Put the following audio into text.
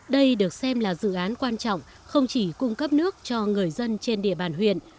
đây được xem là dự án quan trọng không chỉ cung cấp nước cho người dân trên địa bàn huyện